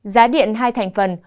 giá điện hai thành phần